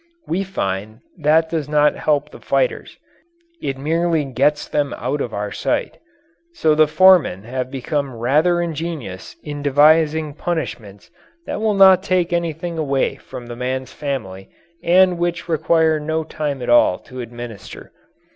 We find that does not help the fighters it merely gets them out of our sight. So the foremen have become rather ingenious in devising punishments that will not take anything away from the man's family and which require no time at all to administer.